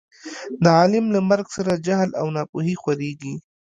د عالم له مرګ سره جهل او نا پوهي خورېږي.